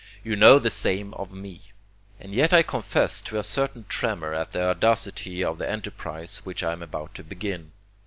You know the same of me. And yet I confess to a certain tremor at the audacity of the enterprise which I am about to begin.